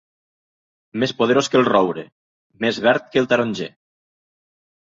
Més poderós que el roure, més verd que el taronger.